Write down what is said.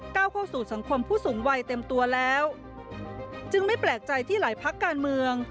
เข้าสู่สังคมผู้สูงวัยเต็มตัวแล้วจึงไม่แปลกใจที่หลายพักการเมือง